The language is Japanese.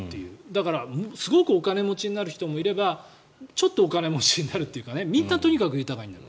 だからすごくお金持ちになる人もいればちょっとお金持ちになるというかとにかくみんな豊かになる。